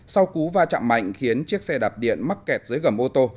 sau cú va chạm mạnh khiến chiếc xe đạp điện mắc kẹt dưới gầm ô tô